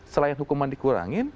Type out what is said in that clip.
selain hukuman dikurangin